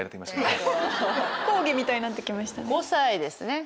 講義みたいになって来ましたね。